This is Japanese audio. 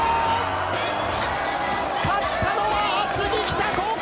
勝ったのは厚木北高校！